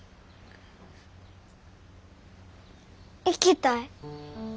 行きたい。